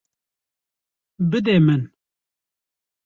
Bide min.